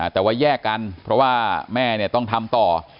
แต่ว่าแยกกันเพราะว่าแม่ต้องทำต่อ